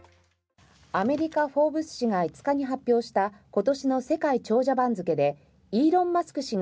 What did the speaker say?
アメリカ、「フォーブス」誌が５日に発表した今年の世界長者番付でイーロン・マスク